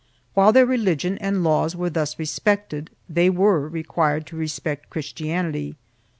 3 While their religion and laws were thus respected, they were required to respect Christianity.